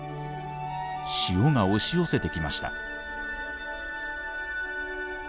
潮が押し寄せてきました。